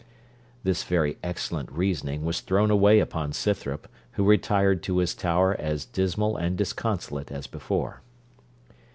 This very excellent reasoning was thrown away upon Scythrop, who retired to his tower as dismal and disconsolate as before.